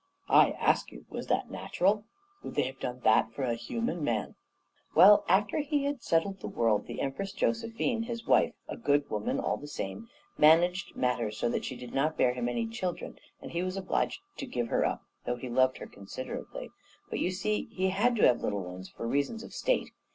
"I ask you, was that natural? would they have done that for a human man? "Well, after he had settled the world, the Empress Josephine, his wife, a good woman all the same, managed matters so that she did not bear him any children, and he was obliged to give her up, though he loved her considerably. But, you see, he had to have little ones for reasons of state.